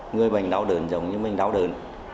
người bệnh đau đớn giống như mình đau đớn